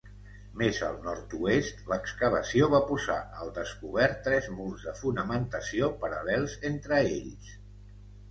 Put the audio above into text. Més al nord-oest, l’excavació va posar al descobert tres murs de fonamentació paral·lels entre ells.